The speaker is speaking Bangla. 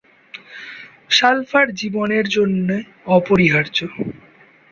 সালফার জীবনের জন্যে অপরিহার্য।